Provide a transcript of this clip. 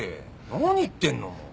何言ってんのもう。